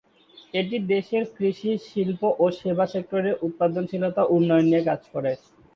এটি দেশের কৃষি, শিল্প ও সেবা সেক্টরে উৎপাদনশীলতা উন্নয়ন নিয়ে কাজ করে।